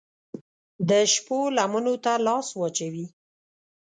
د شپو لمنو ته لاس واچوي